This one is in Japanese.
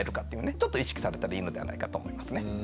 ちょっと意識されたらいいのではないかと思いますね。